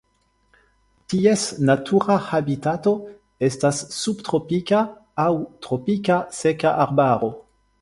Ties natura habitato estas subtropika aŭ tropika seka arbaro.